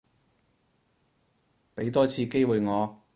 畀多次機會我